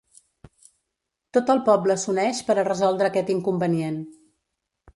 Tot el poble s'uneix per a resoldre aquest inconvenient.